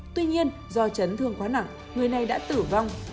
tuy nhiên do chấn thương quá nặng người này đã tử vong